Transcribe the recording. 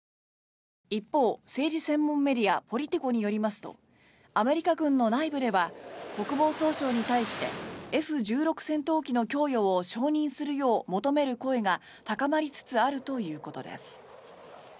一方、政治専門メディアポリティコによりますとアメリカ軍の内部では国防総省に対してＦ１６戦闘機の供与を承認するよう求める声が高まりつつあるということです。